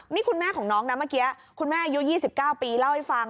นี่คุณแม่ของน้องนะเมื่อกี้คุณแม่อายุ๒๙ปีเล่าให้ฟัง